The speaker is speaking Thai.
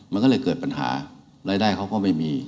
มันก็เลยเกิดปัญหารายได้เขาก็ไม่มี